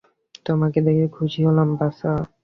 তোমাকে দেখে খুশি হলাম, বাছা।